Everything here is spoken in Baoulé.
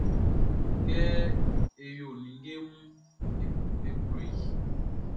Kɛ e yo ninnge munʼn, n klo i.